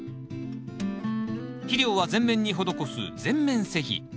肥料は全面に施す全面施肥。